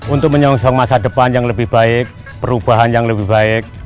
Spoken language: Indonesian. untuk menyongsong masa depan yang lebih baik perubahan yang lebih baik